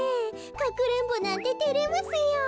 かくれんぼなんててれますよ。